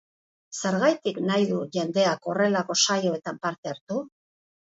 Zergatik nahi du jendeak horrelako saioetan parte hartu?